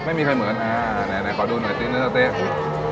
ไม่มีใครเหมือนอ่าไหนขอดูเนื้อเต๊ะ